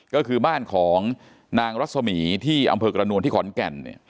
ก็คือบ้านของนางรัศมีที่อำเภอกระนวลที่ขอนแก่น